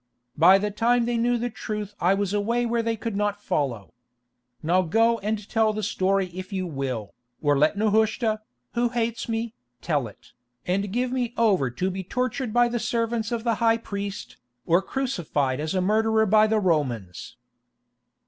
By the time they knew the truth I was away where they could not follow. Now go and tell the story if you will, or let Nehushta, who hates me, tell it, and give me over to be tortured by the servants of the high priest, or crucified as a murderer by the Romans."